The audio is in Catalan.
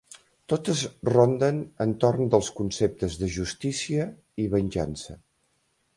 Totes ronden entorn dels conceptes de justícia i venjança.